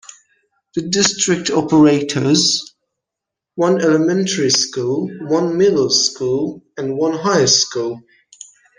The district operates one elementary school, one middle school, and one high school.